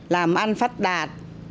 làm ăn phát đạt